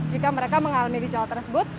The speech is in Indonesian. jika mereka mengalami gejala tersebut